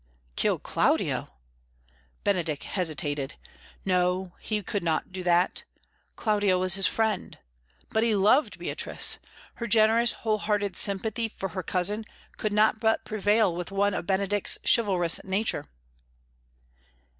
"Kill Claudio!" Benedick hesitated. No, he could not do that. Claudio was his friend.... But he loved Beatrice; her generous, whole hearted sympathy for her cousin could not but prevail with one of Benedick's chivalrous nature.